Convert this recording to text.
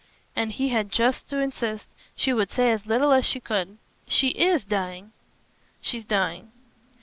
And he had just to insist she would say as little as she could. "She IS dying?" "She's dying."